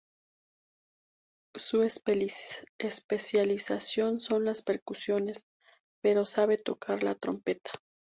Su especialización son las percusiones, pero sabe tocar la trompeta.